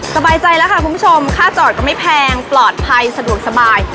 สบายใจแล้วค่ะคุณผู้ชมค่าจอดก็ไม่แพงปลอดภัยสะดวกสบาย